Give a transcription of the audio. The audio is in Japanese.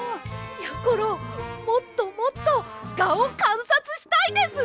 やころもっともっとガをかんさつしたいです！